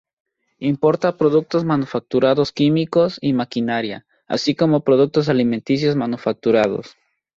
Importa productos manufacturados, químicos y maquinaria, así como productos alimenticios manufacturados.